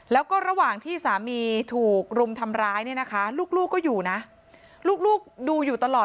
แล้วก็ระหว่างที่สามีถูกรุมทำร้ายเนี่ยนะคะลูกก็อยู่นะลูกดูอยู่ตลอด